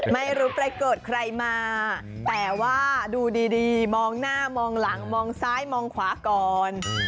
ไม่รู้ไปเกิดใครมาแต่ว่าดูดีมองหน้ามองหลังมองซ้ายมองขวาก่อน